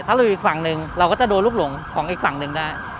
ถ้าเราอีกฝั่งหนึ่งเราก็จะโดนลูกหลงของอีกฝั่งหนึ่งได้